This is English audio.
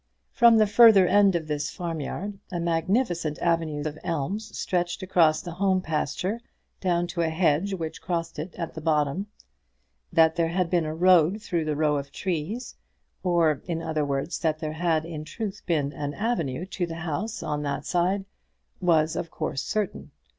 From the further end of this farm yard a magnificent avenue of elms stretched across the home pasture down to a hedge which crossed it at the bottom. That there had been a road through the rows of trees, or, in other words, that there had in truth been an avenue to the house on that side, was, of course, certain.